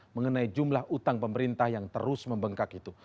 mengenai jumlah utang pemerintah yang terus membengkak itu